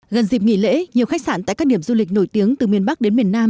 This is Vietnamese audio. gần dịp nghỉ lễ nhiều khách sạn tại các điểm du lịch nổi tiếng từ miền bắc đến miền nam